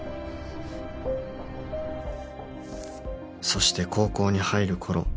そして高校に入る頃